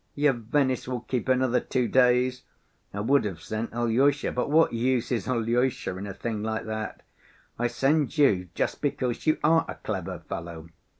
Your Venice will keep another two days. I would have sent Alyosha, but what use is Alyosha in a thing like that? I send you just because you are a clever fellow.